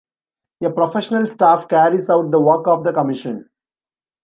A professional staff carries out the work of the Commission.